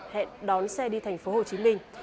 hẹn đón xe đi thành phố hồ chí minh